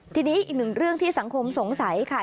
ทีนี้อีกหนึ่งเรื่องที่สังคมสงสัยค่ะ